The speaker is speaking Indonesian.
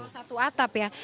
satu atap ya